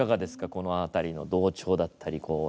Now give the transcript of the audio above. この辺りの同調だったり、こう。